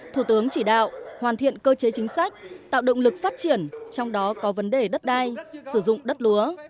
thủ tướng chỉ đạo hoàn thiện cơ chế chính sách tạo động lực phát triển trong đó có vấn đề đất đai sử dụng đất lúa